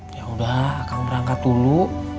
ya udah akan berangkat dulu